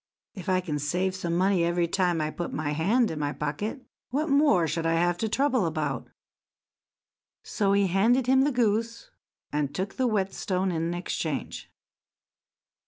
If I can have some money every time I put my hand in my pocket, what more should I have to trouble about?" So he handed him the goose, and took the whetstone in exchange.